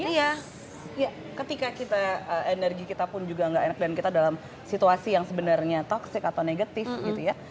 iya ketika kita energi kita pun juga nggak enak dan kita dalam situasi yang sebenarnya toxic atau negatif gitu ya